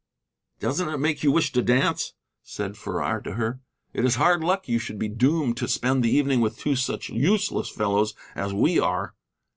"Doesn't it make you wish to dance?" said Farrar to her. "It is hard luck you should be doomed to spend the evening with two such useless fellows as we are."